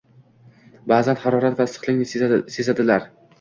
Ba’zan harorat va iliqlikni sezadilar.